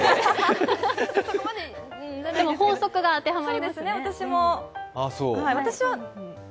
法則が当てはまりますね。